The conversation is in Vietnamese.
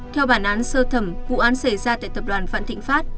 theo bản án sơ thẩm vụ án xảy ra tại tập đoàn vạn thịnh pháp